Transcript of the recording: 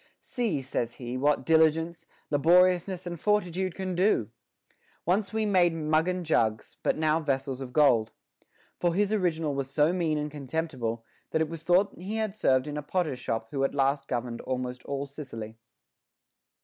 See (says he) what diligence, laboriousness, and fortitude can do ! Once we made muggen jugs, but now vessels of gold. For his original was so mean and contemptible, that it was thought he had served in a potter's shop who at last governed almost all Sicily.